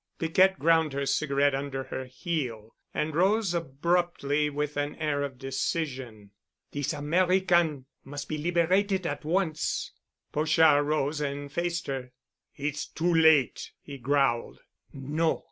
Piquette ground her cigarette under her heel and rose abruptly with an air of decision. "This American must be liberated at once!" Pochard rose and faced her. "It's too late," he growled, "No.